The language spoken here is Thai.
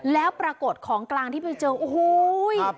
แล้วปรากฏของกลางที่ไปเจอโอ้โห